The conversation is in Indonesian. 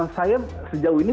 saya sejauh ini